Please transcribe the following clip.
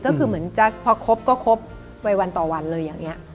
ก็คือเหมือนจะพอครบก็ครบไปวันต่อวันเลยอย่างนี้